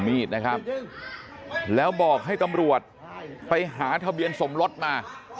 มีดนะครับแล้วบอกให้ตำรวจไปหาทะเบียนสมรสมา